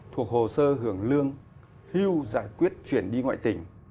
thuộc hồ sơ hưởng lương hưu giải quyết chuyển đi ngoại tỉnh